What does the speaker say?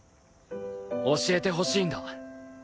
教えてほしいんだ。